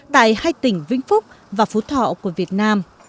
tại hai tỉnh và các thành phố